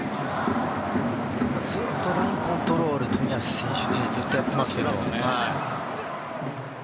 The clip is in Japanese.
ずっとラインコントロールを冨安選手がやってますけどね。